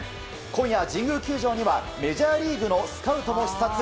今夜、神宮球場にはメジャーリーグのスカウトも視察。